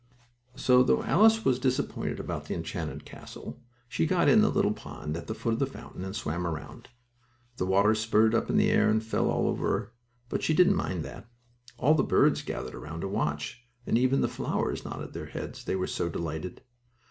So, though Alice was disappointed about the enchanted castle, she got in the little pond at the foot of the fountain, and swam around. The water spurted up in the air and fell all over her, but she didn't mind that. All the birds gathered around to watch, and even the flowers nodded their heads, they were so delighted.